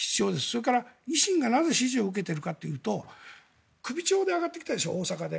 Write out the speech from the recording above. それから、なぜ維新が支持を受けているかというと首長で上がってきたでしょ大阪で。